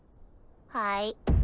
はい。